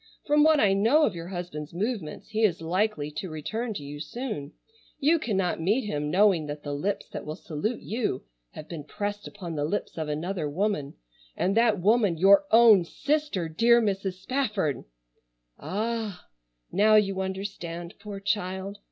From what I know of your husband's movements, he is likely to return to you soon. You cannot meet him knowing that the lips that will salute you have been pressed upon the lips of another woman, and that woman your own sister, dear Mrs. Spafford! "Ah! Now you understand, poor child.